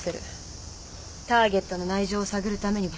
ターゲットの内情を探るためにごみをあさる。